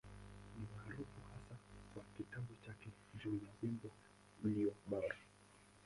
Ni maarufu hasa kwa kitabu chake juu ya Wimbo Ulio Bora.